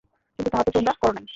কিন্তু তাহা তো তোমরা কর নাই।